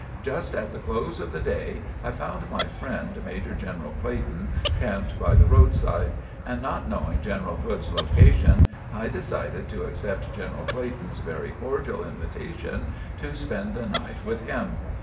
Just at the close of the day I found my friend, Major General Clayton, camped by the road side, and not knowing General Hood's location, I decided to accept General Clayton's very cordial invitation to spend the night with him.